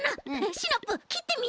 シナプーきってみよう！